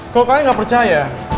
kalo kalian gak percaya